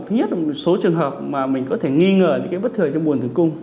thứ nhất là một số trường hợp mà mình có thể nghi ngờ những cái bất thường trong buồn tử cung